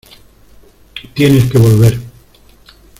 Tienes que volver.